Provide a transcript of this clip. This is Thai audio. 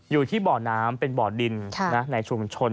อยู่ที่บ่อน้ำเป็นบ่อดินในชุมชน